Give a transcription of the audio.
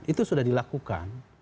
itu sudah dilakukan